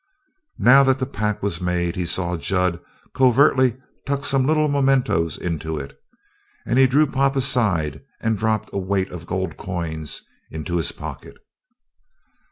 Now the pack was made he saw Jud covertly tuck some little mementoes into it and he drew Pop aside and dropped a weight of gold coins into his pocket.